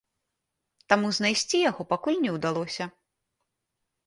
Таму знайсці яго пакуль не ўдалося.